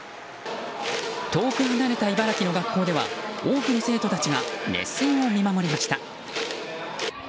遠く離れた茨城の学校では多くの生徒たちが熱戦を見守りました。